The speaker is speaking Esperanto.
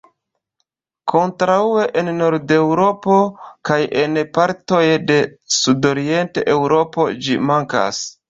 Kontraŭe en Nord-Eŭropo kaj en partoj de Sudorient-Eŭropo ĝi mankas.